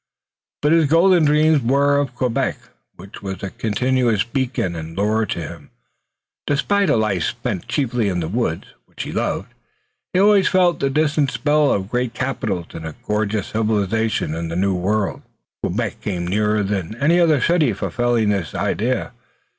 But his golden dreams were of Quebec, which was a continuous beacon and lure to him. Despite a life spent chiefly in the woods, which he loved, he always felt the distant spell of great capitals and a gorgeous civilization. In the New World Quebec came nearer than any other city to fulfilling this idea.